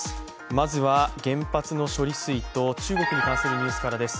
まずは原発の処理水と中国に関するニュースからです。